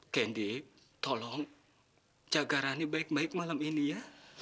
kendi tolong jaga rani baik baik malam ini ya